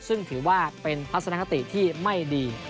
ซึ่งถือว่าเป็นทัศนคติที่ไม่ดี